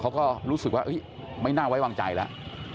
เขาก็รู้สึกว่าไม่น่าไว้วางใจแล้ว